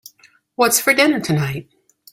What's for dinner tonight?